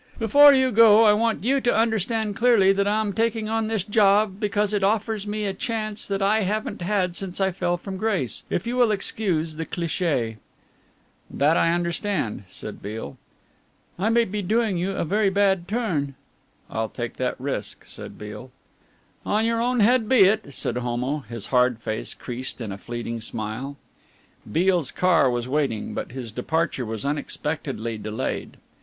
"Before you go I want you to understand clearly that I am taking on this job because it offers me a chance that I haven't had since I fell from grace, if you will excuse the cliché." "That I understand," said Beale. "I may be doing you a very bad turn." "I'll take that risk," said Beale. "On your own head be it," said Homo, his hard face creased in a fleeting smile. Beale's car was waiting, but his departure was unexpectedly delayed.